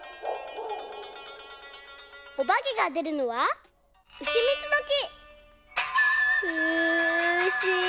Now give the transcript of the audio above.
おばけがでるのはうしみつどき。